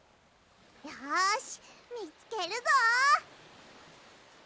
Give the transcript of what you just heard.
よしみつけるぞ！